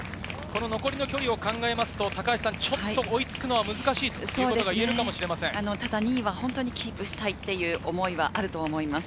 残りの距離を考えると、ちょっと追いつくは難しいということが言何とか２位はキープしたいという思いはあると思います。